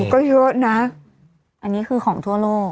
ก็เยอะนะอันนี้คือของทั่วโลก